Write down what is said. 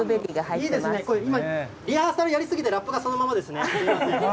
いいですね、これ、今、リハーサルやり過ぎて、ラップがそのままですね。